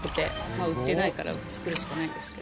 まあ売ってないから作るしかないんですけど。